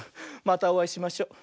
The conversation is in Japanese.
またおあいしましょう。